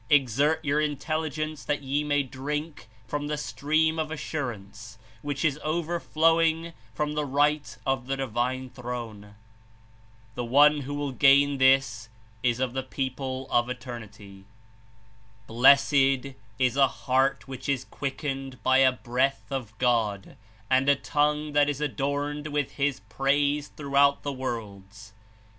Exert your intelligence that ye may drink from the stream of assurance which Is overflowing from the right of the Divine Throne. The one who will gain this is of the people of eternity." 96 ''Blessed is a heart which is quickened by a Breath of God and a tongue that is adorned with His praise throughout the worlds